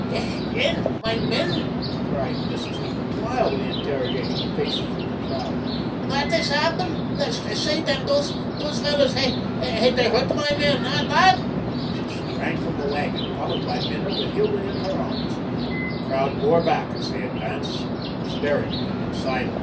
"Eh, den, my men," cried Mrs. Hooven, wildly interrogating the faces of the crowd. "Whadt has happun? Sey, den, dose vellers, hev dey hurdt my men, eh, whadt?" She sprang from the wagon, followed by Minna with Hilda in her arms. The crowd bore back as they advanced, staring at them in silence.